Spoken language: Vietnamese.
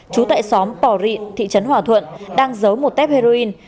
chú tại xóm pò rịn thị trấn hòa thuận đang giấu một tép heroin